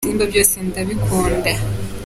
Ibisimba byose ndabilkunda.